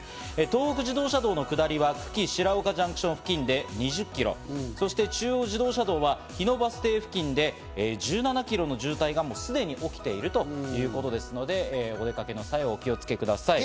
東北自動車道の下りは久喜白岡ジャンクション付近で２０キロ、中央自動車道は日野バス停付近で１７キロの渋滞がもうすでに起きているということですので、お出かけの際はお気をつけください。